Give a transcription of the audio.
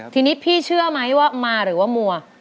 ทีนี้พี่เชื่อไหมว่ามาหรือว่ามัว